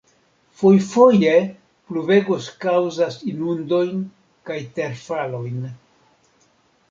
Fojfoje pluvegoj kaŭzas inundojn kaj terfalojn.